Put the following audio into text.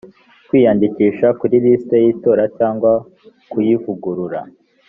kwiyandikisha ku ilisiti y’itora cyangwa kuyivugurura